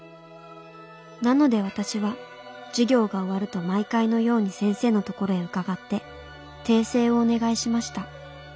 なので私は授業が終わると毎回のように先生のところへ伺って訂正をお願いしました。